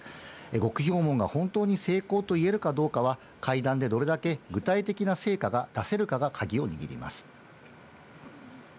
極秘訪問が本当に成功と言えるかは、会談でどれだけ具体的な成果が出せるかが鍵を握ります。